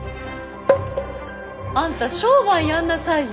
あんた商売やんなさいよ。